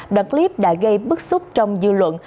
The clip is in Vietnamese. đoạn clip đã gây bức xúc trong dư luận